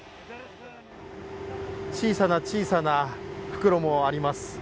小さな小さな袋もあります。